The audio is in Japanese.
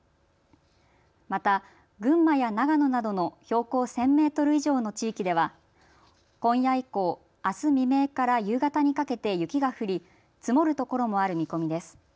また、群馬や長野などの標高１０００メートル以上の地域では今夜以降、あす未明から夕方にかけて雪が降り積もる所もある見込みです。